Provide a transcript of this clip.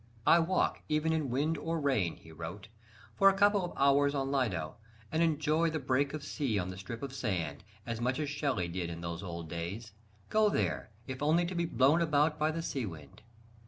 "I walk, even in wind or rain," he wrote, "for a couple of hours on Lido, and enjoy the break of sea on the strip of sand, as much as Shelley did in those old days.... Go there, if only to be blown about by the sea wind!"